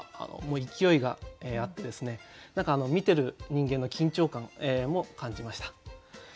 もう勢いがあって見てる人間の緊張感も感じました。